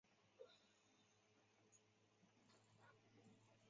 精氨酸是由瓜氨酸透过胞质酵素精氨基琥珀酸合酶合成。